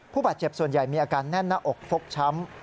บาดเจ็บส่วนใหญ่มีอาการแน่นหน้าอกฟกช้ำ